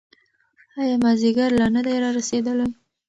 ایا مازیګر لا نه دی رارسېدلی؟